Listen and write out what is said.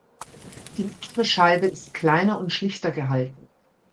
Die mittlere Scheibe ist kleiner und schlichter gehalten.